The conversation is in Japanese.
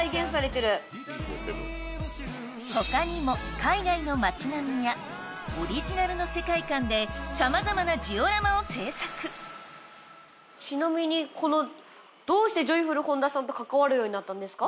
他にも海外の街並みやオリジナルの世界観でさまざまなジオラマを製作ちなみにこのどうしてジョイフル本田さんと関わるようになったんですか？